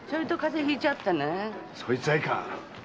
そいつはいかん。